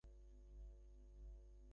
তুমি জেগে উঠবে।